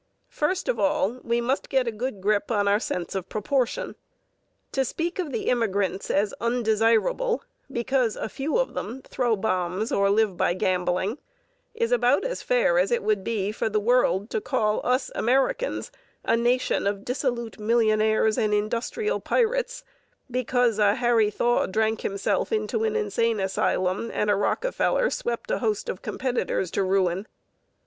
First of all we must get a good grip on our sense of proportion. To speak of the immigrants as undesirable because a few of them throw bombs or live by gambling is about as fair as it would be for the world to call us Americans a nation of dissolute millionaires and industrial pirates because a Harry Thaw drank himself into an insane asylum and a Rockefeller swept a host of competitors to ruin.